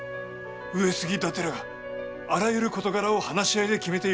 上杉伊達らがあらゆる事柄を話し合いで決めてゆくのです。